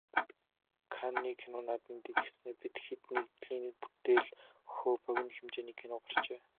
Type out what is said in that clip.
Каннын кино наадмын дэлгэцнээ "Бид хэд" нэгдлийн бүтээл "Хөхөө" богино хэмжээний кино гарчээ.